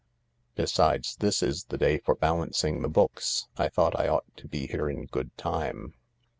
Besides, this is the day for balancing the books. I thought I ought to be here in good time."